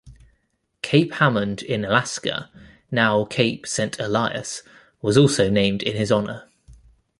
Cape Hamond in Alaska, now Cape Saint Elias, was also named in his honour.